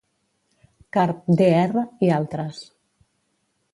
Karp D. R. i altres